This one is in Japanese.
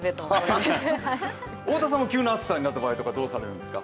太田さんは急な暑さになった場合はどうされるんですか？